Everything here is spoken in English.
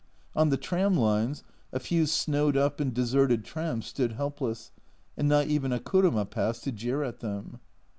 On the tram lines a few snowed up and deserted trams stood help less, and not even a kuruma passed to jeer at them.